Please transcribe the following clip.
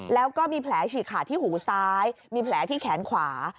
แล้วก็มีแผลฉีกขาดที่หูซ้ายมีแผลที่แขนขวา